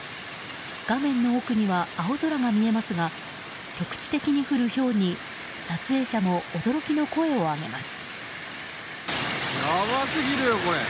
画面の奥には青空が見えますが局地的に降るひょうに撮影者も驚きの声を上げます。